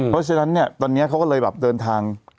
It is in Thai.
เพราะฉะนั้นเนี่ยตอนนี้เขาก็เลยแบบเดินทาง